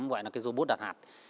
gọi là cái robot đặt hạt